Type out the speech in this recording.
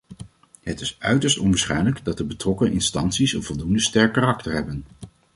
Het is uiterst onwaarschijnlijk dat de betrokken instanties een voldoende sterk karakter hebben.